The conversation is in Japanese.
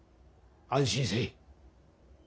安心せい。